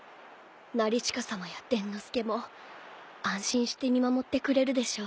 成親さまや伝の助も安心して見守ってくれるでしょう。